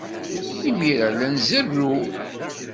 Imir-a, la nzerrew.